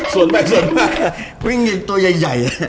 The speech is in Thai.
ส่วนมากวิ่งตัวใหญ่นะ